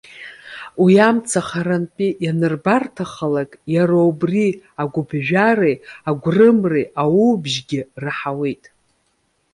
Уи амца харантәи ианырбарҭахалак, иара убри агәыԥжәареи агәрымреи аууыбжьгьы раҳауеит.